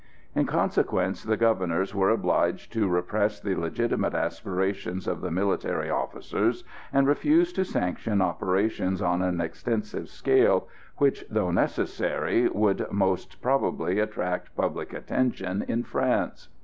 In consequence, the Governors were obliged to repress the legitimate aspirations of the military officers, and refused to sanction operations on an extensive scale, which, though necessary, would most probably attract public attention in France.